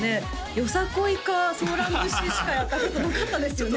よさこいかソーラン節でしかやったことなかったですよね